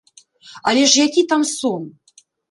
Але ж які там сон?